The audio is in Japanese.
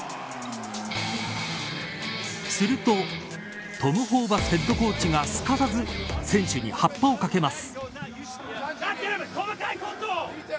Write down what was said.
すると、トム・ホーバスヘッドコーチが、すかさず選手にはっぱをかけます。